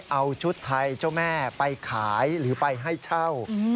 เอาชุดไทยเจ้าแม่ไปขายหรือไปให้เช่า